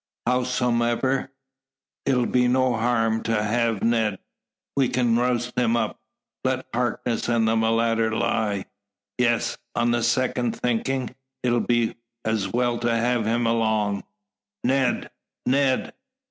Howsomever, it'll be no harm to hev Ned. We kin roust him up, lettin' Harkness an' the mulattar lie. Ye'es; on second thinkin' it'll be as well to hev him along. Ned! Ned!"